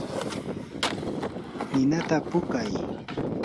ninata puukay.